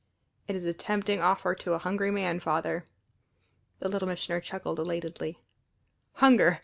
"It is a tempting offer to a hungry man, Father." The Little Missioner chuckled elatedly. "Hunger!